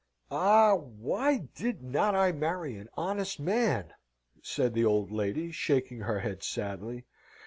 "Ah! Why did not I marry an honest man?" said the of lady, shaking her head sadly.